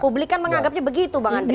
publik kan mengagapnya begitu bang andri